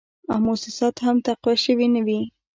او موسسات هم تقویه شوي نه وې